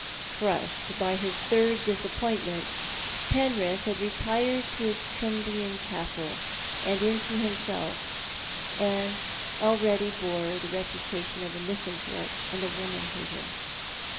Crushed by his third disappointment, Penrith had retired to h:s Cumbrian castle, and into himself, and already bore the reputation of a misanthrope and a woman hater.